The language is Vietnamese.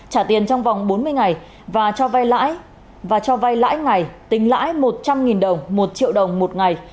trả tiền trong vòng bốn mươi ngày và cho vay lãi ngày tính lãi một trăm linh đồng một triệu đồng một ngày